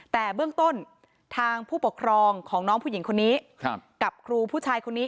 แต่เบื้องต้นทางผู้ปกครองของน้องผู้หญิงคนนี้กับครูผู้ชายคนนี้